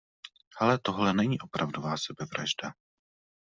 Hele, tohle není opravdová sebevražda.